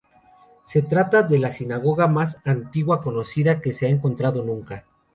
Se trata de la sinagoga más antigua conocida que se ha encontrado nunca.